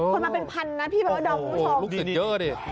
คนมาเป็นพันนะพี่เบิร์รดดองคุณผู้ชม